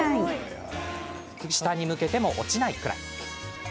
下に向けても落ちないくらい。